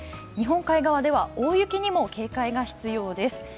日本海側では大雪にも警戒が必要です。